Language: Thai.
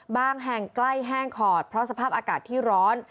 แห่งใกล้แห้งขอดเพราะสภาพอากาศที่ร้อน